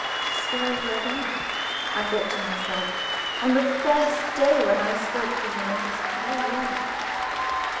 "Oscar over again," I thought to myself, "on the first day when I spoke to him in this very room!"